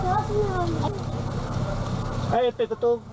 เพื่อประโยคของเอง